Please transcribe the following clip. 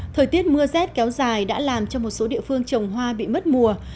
thời tiết mưa rét kéo dài đã làm cho một số địa phương trồng hoa bị mất mùa